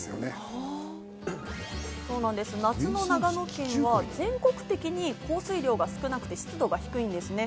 夏の長野県は全国的に降水量が少なくて湿度が低いんですね。